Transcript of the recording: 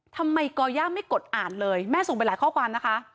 ก่อย่าไม่กดอ่านเลยแม่ส่งไปหลายข้อความนะคะ